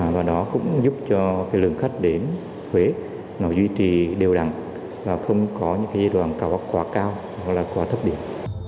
và đó cũng giúp cho lượng khách đến huế nó duy trì đều đẳng và không có những giai đoạn quá cao hoặc là quá thấp điểm